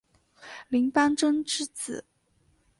林邦桢之子。